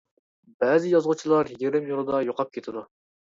بەزى يازغۇچىلار يېرىم يولدا يوقاپ كېتىدۇ.